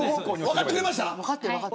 分かってくれました。